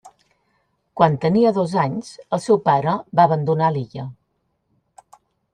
Quan tenia dos anys el seu pare va abandonar l'illa.